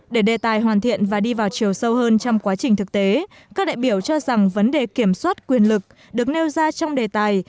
để đề tài hoàn thiện và đi vào chiều sâu hơn trong quá trình thực tế các đại biểu cho rằng vấn đề kiểm soát quyền lực được nêu ra trong đề tài